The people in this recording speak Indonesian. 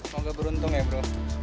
semoga beruntung ya bro